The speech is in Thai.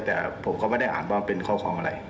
แต่ผมก็ไม่ได้อ่านว่าเป็นข้อความอะไร